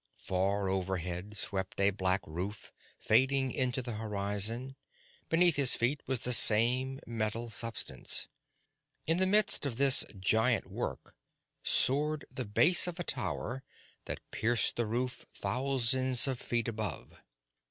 Far overhead swept a black roof fading into the horizon, beneath his feet was the same metal substance. In the midst of this giant work soared the base of a tower that pierced the roof thousands of feet above.